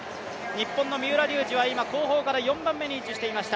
日本の三浦龍司は後方から４番目に位置していました。